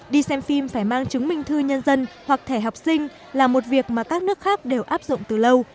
đi xem phim phải mang chứng minh thư nhân dân hoặc thẻ học sinh là một việc mà các nước khác đều áp dụng từ lâu